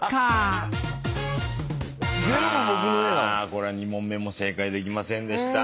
これ２問目も正解できませんでした。